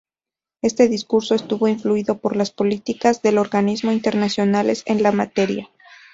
Este discurso estuvo influido por las políticas de organismos internacionales en la materia.